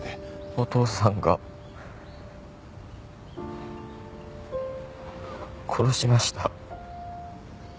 お父さんが殺しました。